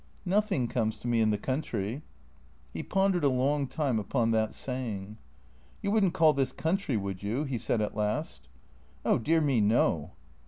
" Nothing comes to me in the country." He pondered a long time upon that saying. " You would n't call this country, would you ?" he said at last, " Oh dear me, no."